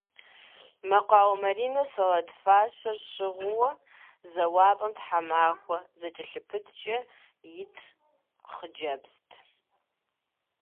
Мэкъуауэ Маринэ сэлэт фащэр щыгъыу, зэуапӏэм тхьэмахуэ зэкӏэлъыпыткӏэ ит хъыджэбзт.